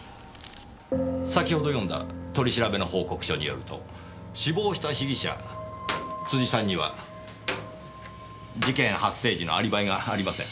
先ほど読んだ取り調べの報告書によると死亡した被疑者辻さんには事件発生時のアリバイがありません。